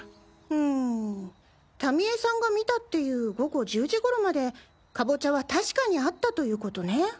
うんタミ江さんが見たっていう午後１０時ごろまでカボチャは確かにあったという事ね。